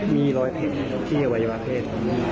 มีรอดแพทย์ที่ไว้วิวาเทศ